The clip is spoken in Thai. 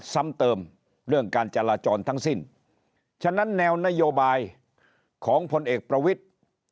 ซ้ำเติมเรื่องการจราจรทั้งสิ้นฉะนั้นแนวนโยบายของผลเอกประวิทธิ์